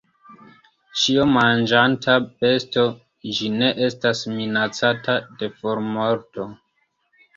Ĉiomanĝanta besto, ĝi ne estas minacata de formorto.